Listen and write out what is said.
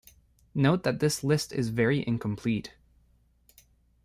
Note that this list is very incomplete.